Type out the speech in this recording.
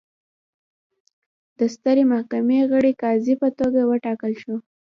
د سترې محکمې غړي قاضي په توګه وټاکل شو.